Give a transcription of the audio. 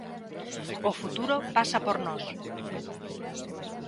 O futuro pasa por nós.